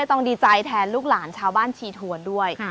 ต้องดีใจแทนลูกหลานชาวบ้านชีทวนด้วย